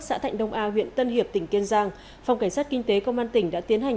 xã thạnh đông a huyện tân hiệp tỉnh kiên giang phòng cảnh sát kinh tế công an tỉnh đã tiến hành